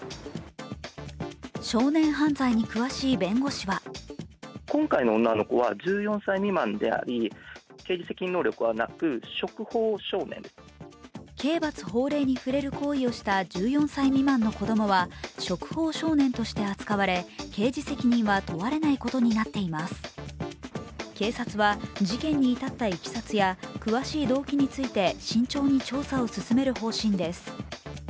少年犯罪に詳しい弁護士は刑罰法令に触れる行為をした１４歳未満の子供は触法少年として扱われ刑事責任は問われないことになっています。警察は事件に至ったいきさつや、詳しい動機について慎重に調査を進める方針です。